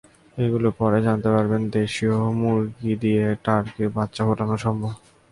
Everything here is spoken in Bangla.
এগুলো পড়ে জানতে পারেন, দেশীয় মুরগি দিয়ে টার্কির বাচ্চা ফোটানো সম্ভব।